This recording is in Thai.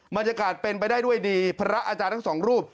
บรรยากาศเป็นไปได้ด้วยดีพระอาจารย์ทั้งสองรูป